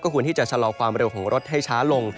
ควรที่จะชะลอความเร็วของรถให้ช้าลง